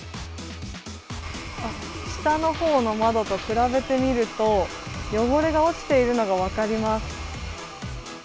下のほうの窓と比べてみると、汚れが落ちているのが分かります。